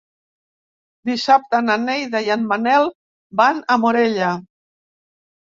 Dissabte na Neida i en Manel van a Morella.